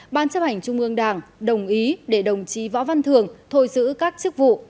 ban chấp hành trung ương đảng đồng ý để đồng chí võ văn thường thôi giữ các chức vụ